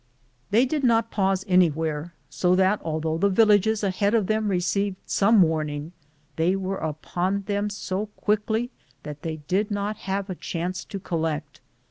They did not pause any where, so that although the villages ahead of him received some warning, they were upon them so quickly that they did not have a chance to collect.